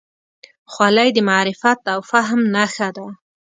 خولۍ د معرفت او فهم نښه ده.